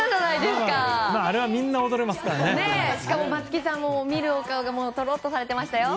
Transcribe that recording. しかも松木さんも見るお顔がとろっとされてましたよ。